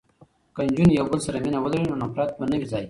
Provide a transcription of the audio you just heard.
که نجونې یو بل سره مینه ولري نو نفرت به نه وي ځای.